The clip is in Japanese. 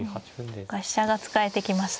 飛車が使えてきました。